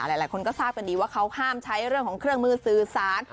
หลายคนก็ทราบกันดีว่าเขาห้ามใช้เรื่องของเครื่องมือสื่อสาร